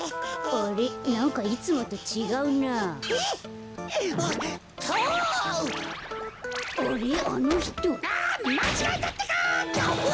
「あまちがえたってか」。